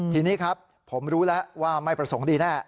ทีนี้ครับผมรู้แล้วว่าไม่ประสงค์ดีแน่